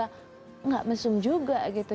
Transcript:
tidak mesum juga gitu